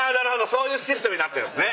そういうシステムになってるんすね。